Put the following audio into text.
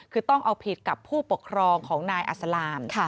คือต้องเอาผิดกับผู้ปกครองของนายอัศลาม